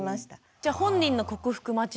じゃあ本人の克服待ちというか。